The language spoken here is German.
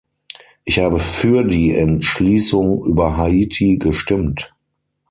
Ich habe für die Entschließung über Haiti gestimmt.